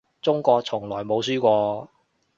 中國從來冇輸過